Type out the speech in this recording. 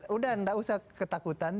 udah enggak usah ketakutan